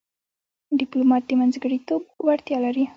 ډيپلومات د منځګړیتوب وړتیا لري.